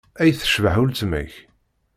Ay tecbeḥ uletma-k!